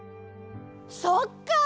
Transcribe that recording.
そっかあ！